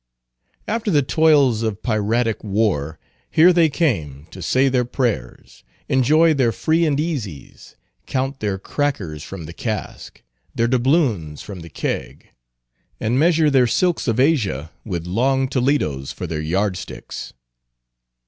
After the toils of piratic war, here they came to say their prayers, enjoy their free and easies, count their crackers from the cask, their doubloons from the keg, and measure their silks of Asia with long Toledos for their yard sticks.